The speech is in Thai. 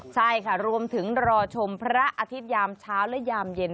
ใช่ค่ะรวมถึงรอชมพระอาทิตยามเช้าและยามเย็น